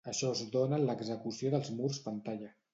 Això es dóna en l'execució dels murs pantalla.